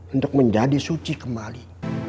untuk menjadi suci kembali